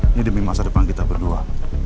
ini demi masa depan kita berdua